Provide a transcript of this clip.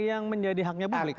yang menjadi haknya balik